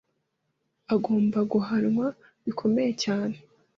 agomba guhanwa bikomeye cyane